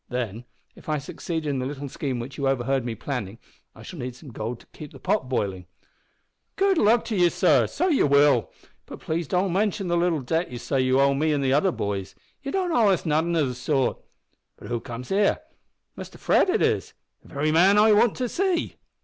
Then, if I succeed in the little scheme which you overheard me planning, I shall need some gold to keep the pot boiling!" "Good luck to ye, sor! so ye will. But plaze don't mintion the little debt you say you owe me an' the other boys. Ye don't owe us nothin' o' the sort. But who comes here? Muster Fred it is the very man I want to see."